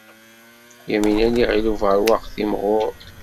Yamina n Yiɣil Ubeṛwaq timɣur.